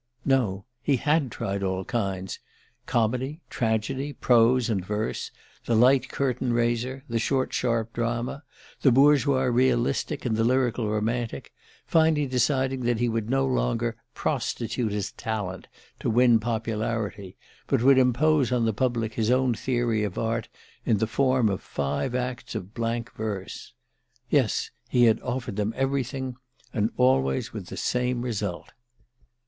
_" No he had tried all kinds: comedy, tragedy, prose and verse, the light curtain raiser, the short sharp drama, the bourgeois realistic and the lyrical romantic finally deciding that he would no longer "prostitute his talent" to win popularity, but would impose on the public his own theory of art in the form of five acts of blank verse. Yes, he had offered them everything and always with the same result.